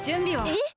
えっ！？